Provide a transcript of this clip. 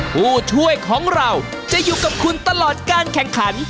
ผู้ช่วยของเราจะอยู่กับคุณตลอดการแข่งขัน